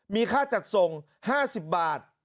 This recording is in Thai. มีค่าจัดส่ง๕๐บาท